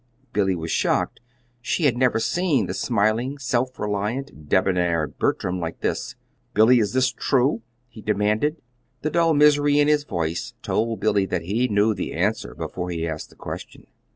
Billy was shocked. She had never seen the smiling, self reliant, debonair Bertram like this. "Billy, is this true?" he demanded. The dull misery in his voice told Billy that he knew the answer before he asked the question.